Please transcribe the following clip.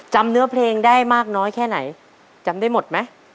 เนื้อเพลงได้มากน้อยแค่ไหนจำได้หมดไหม